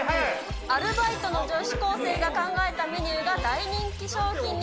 アルバイトの女子高生が考えたメニューが大人気商品に！